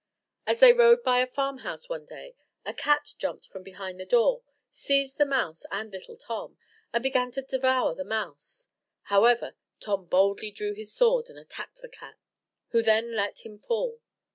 As they rode by a farmhouse one day, a cat jumped from behind the door, seized the mouse and little Tom, and began to devour the mouse; however, Tom boldly drew his sword and attacked the cat, who then let him fall.